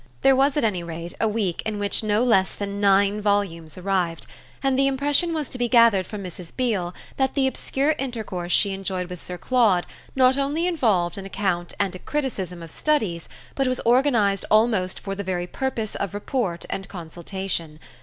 There was at any rate a week in which no less than nine volumes arrived, and the impression was to be gathered from Mrs. Beale that the obscure intercourse she enjoyed with Sir Claude not only involved an account and a criticism of studies, but was organised almost for the very purpose of report and consultation.